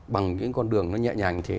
bằng những con đường nó nhẹ nhàng như thế